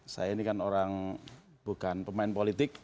saya ini kan orang bukan pemain politik